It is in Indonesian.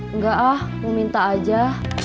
enggak ah mau minta aja